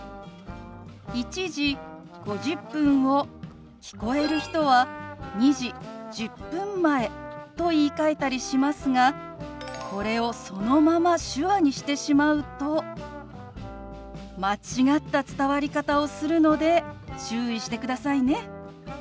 「１時５０分」を聞こえる人は「２時１０分前」と言いかえたりしますがこれをそのまま手話にしてしまうと間違った伝わり方をするので注意してくださいね。